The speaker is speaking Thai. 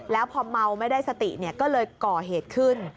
แล้วพอเมาไม่ได้สติก็เลยก่อเหตุขึ้น